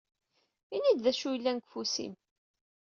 Ini-d d acu yellan deg ufus-im.